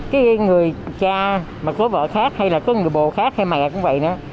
cái người cha mà có vợ khác hay là có người bồ khác hay mẹ cũng vậy đó